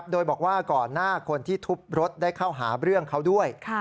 โดยบอกว่าก่อนหน้าคนที่ทุบรถได้เข้าหาเรื่องเขาด้วย